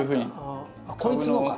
あっこいつのか？